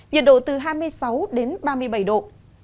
nhiệt độ từ hai mươi sáu đến ba mươi bảy độ